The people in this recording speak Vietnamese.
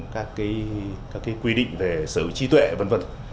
các cái quy định về sở trí tuệ v v